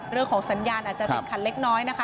เรื่องของสัญญาณอาจจะติดขัดเล็กน้อยนะคะ